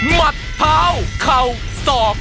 มัดเท้าเข่าศอก